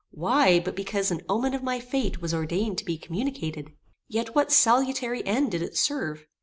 Why but because an omen of my fate was ordained to be communicated? Yet what salutary end did it serve?